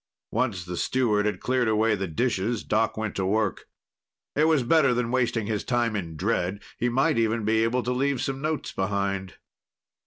Once the steward had cleared away the dishes, Doc went to work. It was better than wasting his time in dread. He might even be able to leave some notes behind.